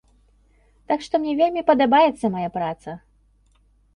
Так што мне вельмі падабаецца мая праца.